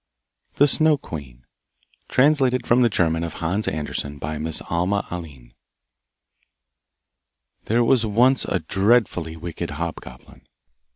The Snow queen Translated from the German of Hans Andersen by Miss Alma Alleyne. There was once a dreadfully wicked hobgoblin.